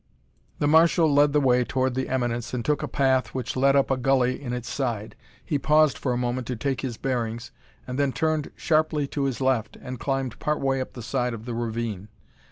The marshal led the way toward the eminence and took a path which led up a gully in its side. He paused for a moment to take his bearings and then turned sharply to his left and climbed part way up the side of the ravine.